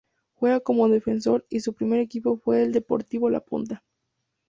Juega como Defensor y su primer equipo fue Deportivo La Punta.